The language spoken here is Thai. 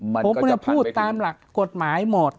มันก็จะพันกินผมจะพูดตามหลักกฎหมายหมด